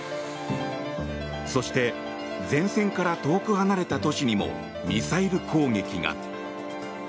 そして前線から遠く離れた都市にもミサイル攻撃が。